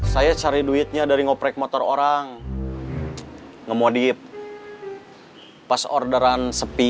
saya cari duitnya dari ngoprek motor orang ngemodit pas orderan sepi